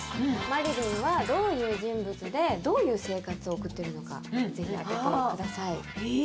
麻理鈴は、どういう人物で、どういう生活を送っているのか、ぜひ当ててください。